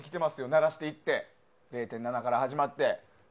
慣らしていって０．７から始まって。